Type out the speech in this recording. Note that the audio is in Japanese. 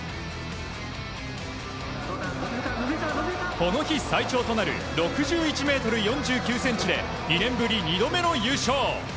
この日、最長となる６１ｍ４９ｃｍで２年ぶり２度目の優勝！